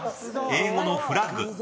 ［英語のフラッグ。